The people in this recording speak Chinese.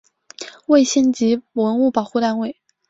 为县级文物保护单位。